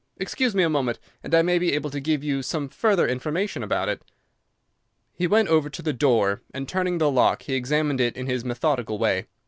Excuse me a moment, and I may be able to give you some further information about it." He went over to the door, and turning the lock he examined it in his methodical way.